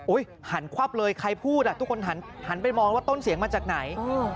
หันควับเลยใครพูดทุกคนหันไปมองว่าต้นเสียงมาจากไหน